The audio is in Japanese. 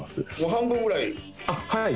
半分ぐらい。